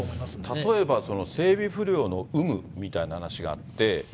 例えば整備不良の有無みたいな話があって。